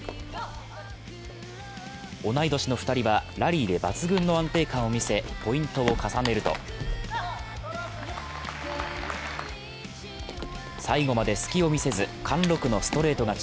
同い年の２人はラリーで抜群の安定感を見せポイントを重ねると、最後まで隙を見せず、貫禄のストレート勝ち。